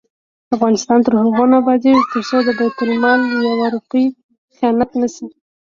افغانستان تر هغو نه ابادیږي، ترڅو د بیت المال یوه روپۍ خیانت نشي.